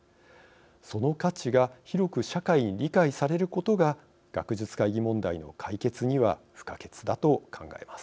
その価値が広く社会に理解されることが学術会議問題の解決には不可欠だと考えます。